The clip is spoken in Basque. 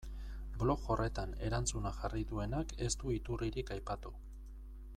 Blog horretan erantzuna jarri duenak ez du iturririk aipatu.